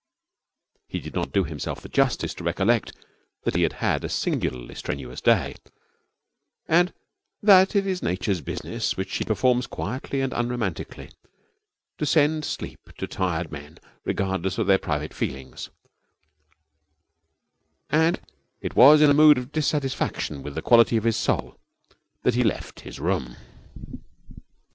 He did not do himself the justice to recollect that he had had a singularly strenuous day, and that it is Nature's business, which she performs quietly and unromantically, to send sleep to tired men regardless of their private feelings; and it was in a mood of dissatisfaction with the quality of his soul that he left his room.